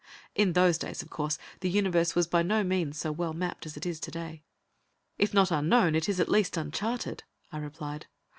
In those days, of course, the Universe was by no means so well mapped as it is today. "If not unknown, it is at least uncharted," I replied.